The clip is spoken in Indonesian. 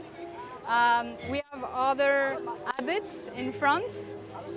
saya tidak biasa melihat perang besar seperti ini warna warna seperti ini